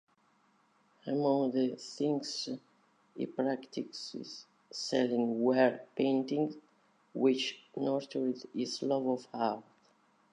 Among the things he practiced selling were paintings, which nurtured his love of art.